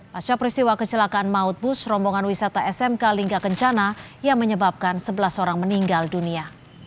pasca peristiwa kecelakaan maut bus rombongan wisata smk lingga kencana yang menyebabkan sebelas orang meninggal dunia